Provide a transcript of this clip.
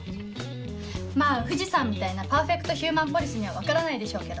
まぁ藤さんみたいな「パーフェクトヒューマンポリス」には分からないでしょうけど。